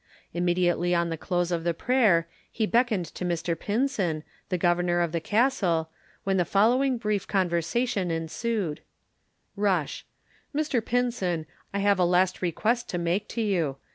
Immediately on the close of the prayer he beckoned to Mr Pinson, the governor of the Castle, when the following brief conversation ensued: Rush: Mr Pinson, I have a last request to make to you.